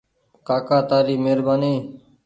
ڪآڪآ تآري مهربآني۔